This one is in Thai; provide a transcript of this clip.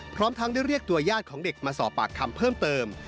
พร้อมทั้งได้เรียกตัวญาติของเด็กมาสอบปากคำเพิ่มเติม